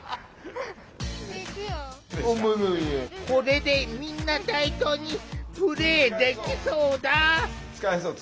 これでみんな対等にプレーできそうだ。